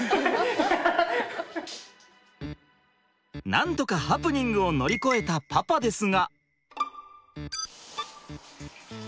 なんとかハプニングを乗り越えたパパですが。